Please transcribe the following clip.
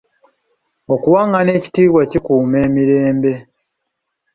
Okuwangana ekitiibwa kikuuma emirembe.